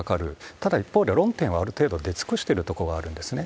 ただ一方で、論点はある程度出尽くしてるところがあるんですね。